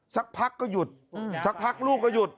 สักพักก็หยุดสักพักลูกก็หยุด